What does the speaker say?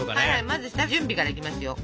まず下準備からいきますよ。